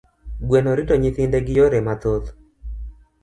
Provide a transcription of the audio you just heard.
Gweno rito nyithinde gi yore mathoth.